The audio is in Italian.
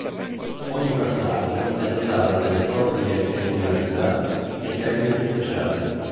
Ogni personaggio è dotato delle proprie peculiarità e tecniche speciali.